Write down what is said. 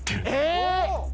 え！